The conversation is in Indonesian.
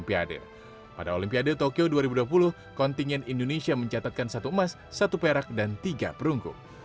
pada olimpiade tokyo dua ribu dua puluh kontingen indonesia mencatatkan satu emas satu perak dan tiga perunggu